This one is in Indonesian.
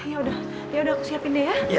yaudah aku siapin deh ya